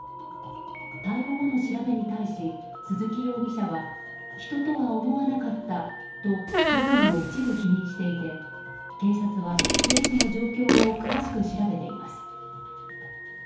逮捕後の調べに対し鈴木容疑者は人とは思わなかったと容疑を一部否認していて警察は当時の状況を詳しく調べています。